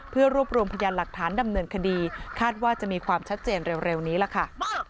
เพื่อรวบรวมพยานหลักฐานดำเนินคดีคาดว่าจะมีความชัดเจนเร็วนี้ล่ะค่ะ